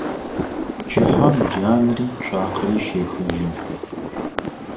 Пчыхьэм джанэри цуакъэри щехыжьы.